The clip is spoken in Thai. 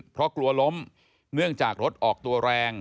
เพราะกลัวล้มเนื่องจากรถออกตัวแรง